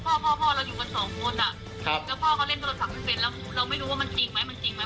ไปขับรถพิงอัพเช้าบ้านเข้าไปคว่ำ